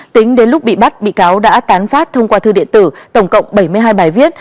tính đến lúc bị bắt bị cáo đã tán phát thông qua thư điện tử tổng cộng bảy mươi hai bài viết